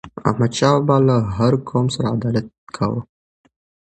احمد شاه بابا له هر قوم سره عدالت کاوه.